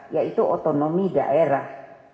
yaitu otonomi daerah